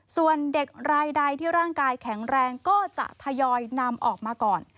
ส่วนเด็กรายใดที่ร่างกายแข็งแรงก็จะทยอยนำออกมาก่อน